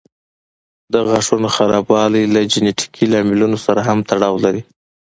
د غاښونو خرابوالی له جینيټیکي لاملونو سره هم تړاو لري.